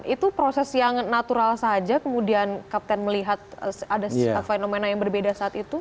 itu proses yang natural saja kemudian kapten melihat ada fenomena yang berbeda saat itu